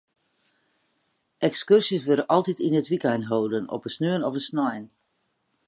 Ekskurzjes wurde altyd yn it wykein holden, op in sneon of snein.